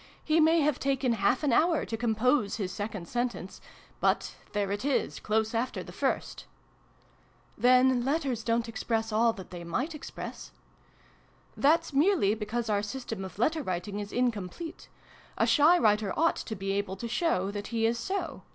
He may have taken half an hour to compose his second sentence ; but there it is, close after the first !"" Then letters don't express all that they might express ?"" That's merely because our system of letter writing is incomplete. A shy writer ought to be able to show that he is so.